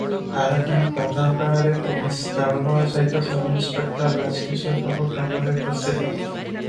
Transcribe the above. ଆର ଦିନ ପ୍ରାତଃକାଳରେ ପୋଲିସ ଦଳବଳ ସହିତ ସବ୍ ଇନସ୍ପେକ୍ଟର ରାଜକିଶୋର ବାବୁ ଗ୍ରାମରେ ଉପସ୍ଥିତ ।